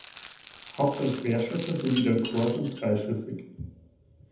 Haupt- und Querschiffe sowie der Chor sind dreischiffig.